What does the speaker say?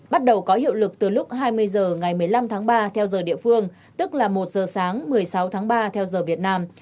bắt đầu có hiệu lực từ lúc hai mươi h ngày một mươi năm tháng ba theo giờ địa phương tức là một giờ sáng một mươi sáu tháng ba theo giờ việt nam